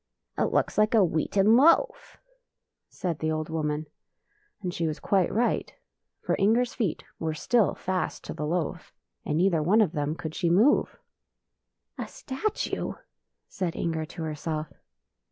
"" It looks like a wheaten loaf," said the old woman, and she was quite right; for Inger's feet were still fast to the loaf, and neither one of them could she move. "A statue!" said Inger to herself.